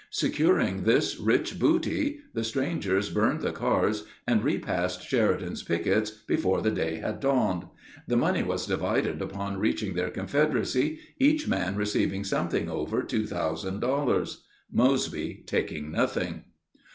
Securing this rich booty, the Rangers burned the cars and repassed Sheridan's pickets before the day had dawned. The money was divided upon reaching their Confederacy, each man receiving something over two thousand dollars, Mosby taking nothing.